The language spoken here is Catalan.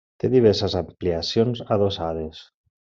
Té diverses ampliacions adossades.